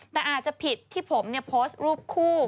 แต่อาจจะผิดที่ผมโพสต์รูปคู่